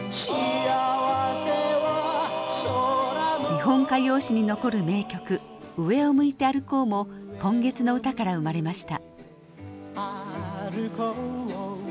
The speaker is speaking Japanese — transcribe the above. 日本歌謡史に残る名曲「上を向いて歩こう」も「今月の歌」から生まれました。